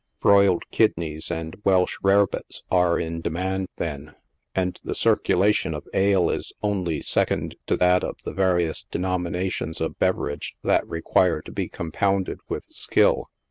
Broiled kidneys and Welch rarebits are in de mand then, and the circulation of ale is only second to that of the various denominations of beverage that require to be compounded with skill.